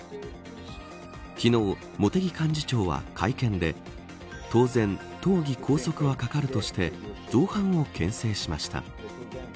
昨日、茂木幹事長は会見で当然、党議拘束はかかるとして造反をけん制しました。